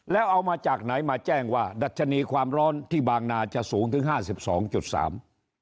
แล้วเอามาจากไหนมาแจ้งว่าดัชนีความร้อนที่บางนาจะสูงถึงห้าสิบสองจุดสาม